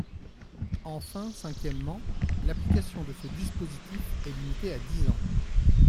Enfin, cinquièmement, l’application de ce dispositif est limitée à dix ans.